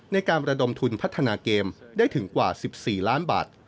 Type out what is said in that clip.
ในการระดมทุนพัฒนาเกมได้ถึงกว่า๑๔ล้านบาท